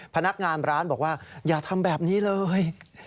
พนักงานร้านบอกว่าอย่าทำแบบนี้เลย